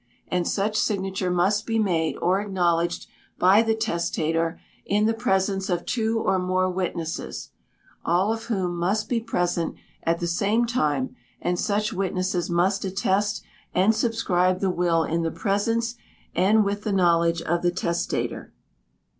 And such signature must be made or acknowledged by the testator, in the presence of two or more witnesses, all of whom must be present at the same time, and such witnesses must attest and subscribe the will in the presence and with the knowledge of the testator.